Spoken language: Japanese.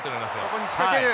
そこに仕掛ける。